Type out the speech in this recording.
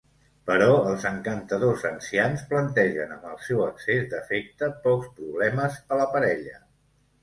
Però els encantadors ancians plantegen amb el seu excés d'afecte pocs problemes a la parella.